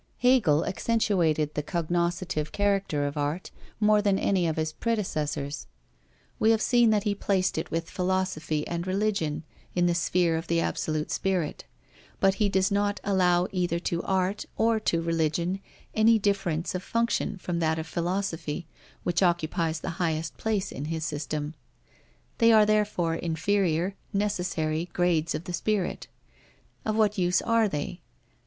Hegel accentuated the cognoscitive character of art, more than any of his predecessors. We have seen that he placed it with Philosophy and Religion in the sphere of the absolute Spirit. But he does not allow either to Art or to Religion any difference of function from that of Philosophy, which occupies the highest place in his system. They are therefore inferior, necessary, grades of the Spirit. Of what use are they?